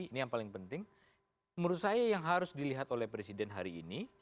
ini yang paling penting menurut saya yang harus dilihat oleh presiden hari ini